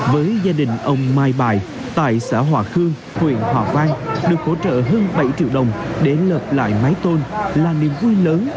với gia đình ông mai bài tại xã hòa khương huyện hòa vang được hỗ trợ hơn bảy triệu đồng để lợp lại mái tôn là niềm vui lớn